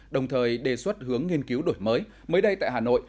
đồng thời đề xuất hướng nghiên cứu đổi mới mới đây tại hà nội